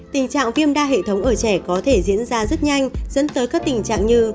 tình trạng viêm đa hệ thống ở trẻ có thể diễn ra rất nhanh dẫn tới các tình trạng như